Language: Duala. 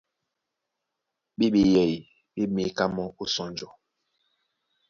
Ɓé ɓeyɛy ɓé měká mɔ́ ó sɔnjɔ.